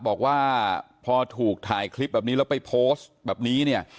บอกว่าพอถูกถ่ายคลิปแบบนี้แล้วไปโพสต์แบบนี้เนี่ย